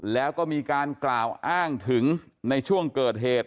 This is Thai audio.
แล้วก็มีการกล่าวอ้างถึงในช่วงเกิดเหตุ